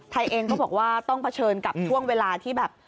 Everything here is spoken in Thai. ไทยเองก็บอกว่าต้องเผชิญกับช่วงเวลาที่แบบ